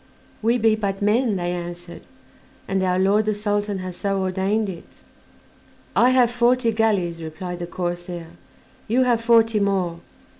"We be but men," they answered, "and our lord the Sultan has so ordained it." "I have forty galleys," replied the corsair; "you have forty more.